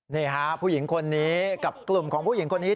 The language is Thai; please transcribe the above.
นี่ฮะผู้หญิงคนนี้กับกลุ่มของผู้หญิงคนนี้